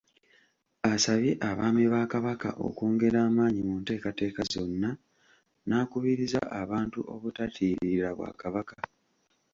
Asabye abaami ba Kabaka okwongera amaanyi mu nteekateeka zonna n’akubiriza abantu obutatiirira Bwakabaka.